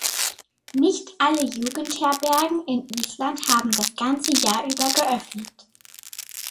Nicht alle Jugendherbergen in Island haben das ganze Jahr über geöffnet.